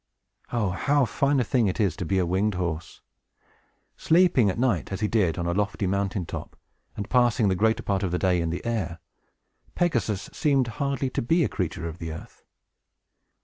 Oh, how fine a thing it is to be a winged horse! Sleeping at night, as he did, on a lofty mountain top, and passing the greater part of the day in the air, Pegasus seemed hardly to be a creature of the earth.